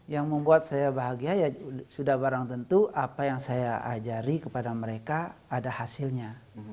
yang membuat saya bahagia ya sudah barang tentu apa yang saya ajari kepada mereka ada hasilnya